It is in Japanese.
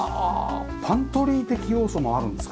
パントリー的要素もあるんですか？